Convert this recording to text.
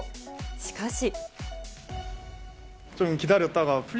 しかし。